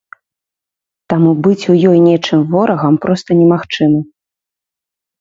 Таму быць у ёй нечым ворагам проста немагчыма.